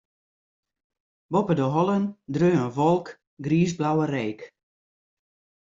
Boppe de hollen dreau in wolk griisblauwe reek.